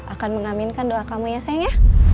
akan mengaminkan doa kamu ya sayang ya